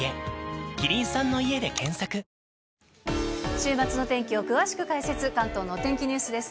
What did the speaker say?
週末の天気を詳しく解説、関東のお天気ニュースです。